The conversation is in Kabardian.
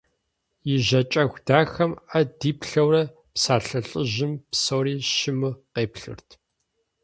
И жьакӏэху дахэм ӏэ дилъэурэ псалъэ лӏыжьым псори щыму къеплъырт.